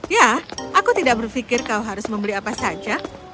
ya aku tidak berpikir kau harus membeli apa saja